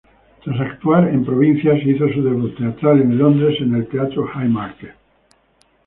Tras actuar en provincias, hizo su debut teatral en Londres en el Teatro Haymarket.